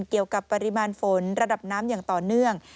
เกี่ยวกับปริมาณฝนระดับน้ำอย่างต่อเนื่อง